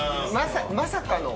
まさかの。